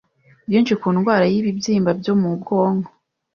Byinshi ku ndwara y’ibibyimba byo mu bwonko